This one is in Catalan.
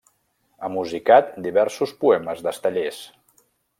Ha musicat diversos poemes d'Estellés.